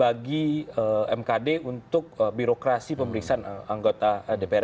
bagi mkd untuk birokrasi pemeriksaan anggota dpr